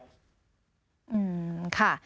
อืมค่ะ